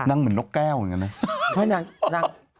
นั่งเหมือนนกแก้วเหมือนกันนะ